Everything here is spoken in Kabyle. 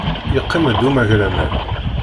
Yeqqim-d umagraman.